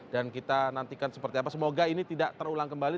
dan kita nantikan seperti apa semoga ini tidak terulang kembali